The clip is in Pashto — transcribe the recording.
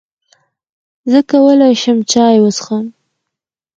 زۀ کولای شم چای وڅښم؟